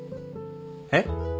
えっ？